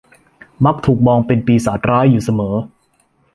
มักถูกมองเป็นปีศาจร้ายอยู่เสมอ